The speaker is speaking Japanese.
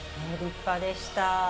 立派でした。